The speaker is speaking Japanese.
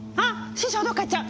師匠どっか行っちゃう！